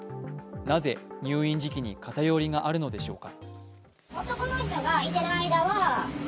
なぜ入院時期に偏りがあるのでしょうか。